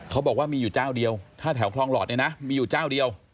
เขาบอกว่ามีอยู่เจ้าเดียวถ้าแถวคลองหลอดเนี่ยนะมีอยู่เจ้าเดียว